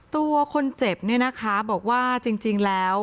ตัวคนเจ็บเนี่ยนะคะบอกว่าจริงแล้ว